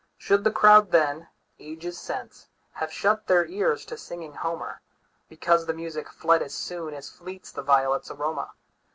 Should the crowd then, ages since, Have shut their ears to singing Homer, Because the music fled as soonAs fleets the violets' aroma?